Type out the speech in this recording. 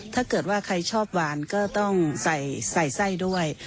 ถ้าเกิดว่าใครชอบหวานก็ต้องใส่ไส้ด้วย